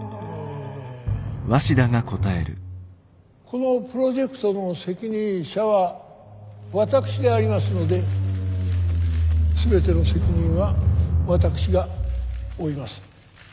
このプロジェクトの責任者は私でありますので全ての責任は私が負います。